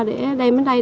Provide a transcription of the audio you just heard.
để đem đến đây